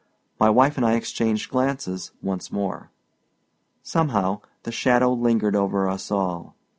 My wife and I exchanged glances once more. Somehow, the shadow lingered over us all.